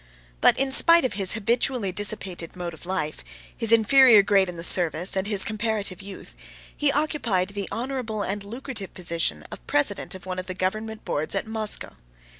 But in spite of his habitually dissipated mode of life, his inferior grade in the service, and his comparative youth, he occupied the honorable and lucrative position of president of one of the government boards at Moscow.